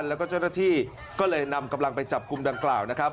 แล้วก็เจ้าหน้าที่ก็เลยนำกำลังไปจับกลุ่มดังกล่าวนะครับ